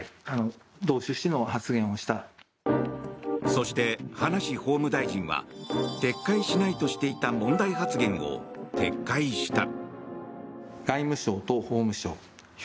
そして、葉梨法務大臣は撤回しないとしていた問題発言を撤回した。